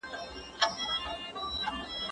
زه اوږده وخت انځور ګورم وم!؟